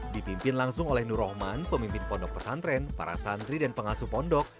dipimpin langsung oleh nur rahman pemimpin pondok pesantren para santri dan pengasuh pondok